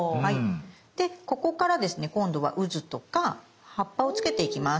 でここからですね今度はうずとか葉っぱをつけていきます。